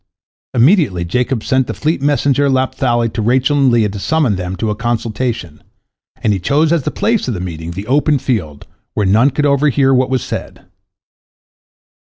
" Immediately Jacob sent the fleet messenger Naphtali to Rachel and Leah to summon them to a consultation, and he chose as the place of meeting the open field, where none could overhear what was said.